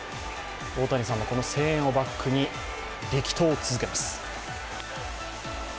大谷さん、この声援をバックに力投を続けます。